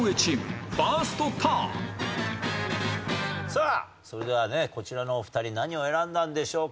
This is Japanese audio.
さあそれではねこちらのお二人何を選んだんでしょうか？